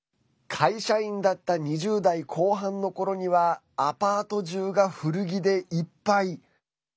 会社員だった２０代後半のころにはアパート中が古着でいっぱい。